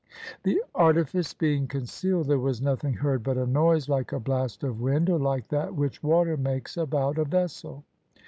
The artifice being concealed, there was nothing heard but a noise like a blast of wind or like that which water makes about a vessel.